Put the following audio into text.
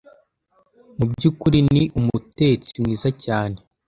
mubyukuri ni umutetsi mwiza cyane.